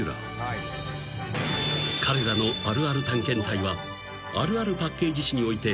［彼らのあるある探検隊はあるあるパッケージ史において］